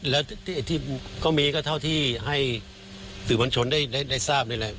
และที่ก็มีก็เท่าที่ให้สื่อมันชนนั่นได้ทราบเลยแหละ